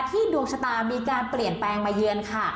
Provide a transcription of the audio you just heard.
ดวงชะตามีการเปลี่ยนแปลงมาเยือนค่ะ